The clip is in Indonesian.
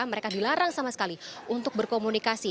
mereka dilarang sama sekali untuk berkomunikasi